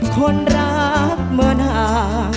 คนรักเมือหนา